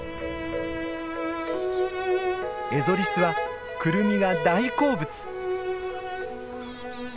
エゾリスはクルミが大好物。